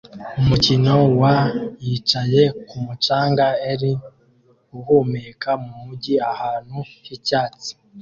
Umukino wa yicaye kumu canga er uhumeka mumujyi ahantu h'icyatsi